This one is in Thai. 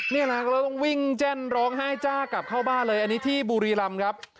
นี่นะเราต้องวิ่งแจ้นร้องไห้จ้ากลับเข้าบ้านเลยอันนี้ที่บุรีรำครับ